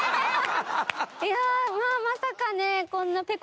いやあまさかねこんな。